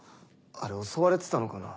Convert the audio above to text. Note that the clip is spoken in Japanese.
あれ襲われてたのかな？